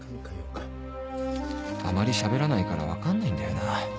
あまりしゃべらないから分かんないんだよな